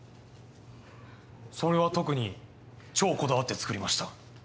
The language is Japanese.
それは特に超こだわって作りました